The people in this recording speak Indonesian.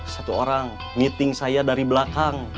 satu orang meeting saya dari belakang